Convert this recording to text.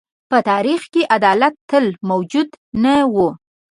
په تاریخ کې عدالت تل موجود نه و.